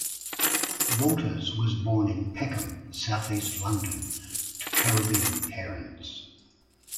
Walters was born in Peckham, south-east London, to Caribbean parents.